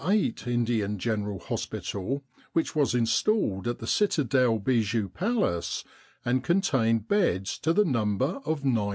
8 Indian General Hospital, which was installed at the Citadel Bijou Palace, and contained beds to the number of 900.